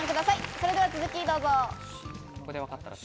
それでは続きをどうぞ。